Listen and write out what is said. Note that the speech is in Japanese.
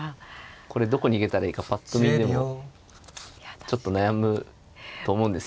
これどこ逃げたらいいかぱっと見でもちょっと悩むと思うんですよ。